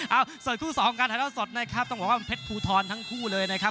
ส่วนคู่สองการถ่ายเท่าสดนะครับต้องบอกว่าเป็นเพชรภูทรทั้งคู่เลยนะครับ